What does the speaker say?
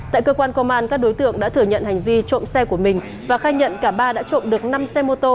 tại cơ quan công an các đối tượng đã thừa nhận hành vi trộm xe của mình và khai nhận cả ba đã trộm được năm xe mô tô